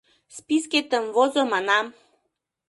Спискетым возо, манам!